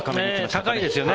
高いですよね。